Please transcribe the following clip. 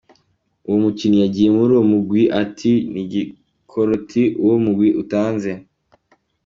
Yagize ati “Nibyo, sinzakina Tour du Rwanda kubera amarushanwa menshi dufite hano mu Butaliyani.